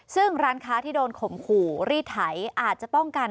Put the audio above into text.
ซึ่งร้านค้าที่โดนข่มขู่รีดไถอาจจะป้องกัน